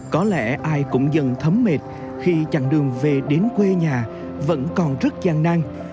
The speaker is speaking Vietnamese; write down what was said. có lẽ ai cũng dần thấm mệt khi chặng đường về đến quê nhà vẫn còn rất gian nang